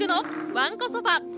わんこそば。